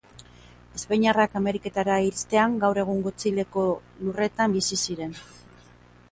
Espainiarrak Ameriketara iristean, gaur egungo Txileko lurretan bizi ziren.